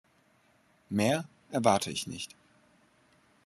Mehr erwarte ich nicht.